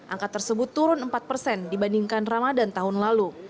angka tersebut turun empat persen dibandingkan ramadan tahun lalu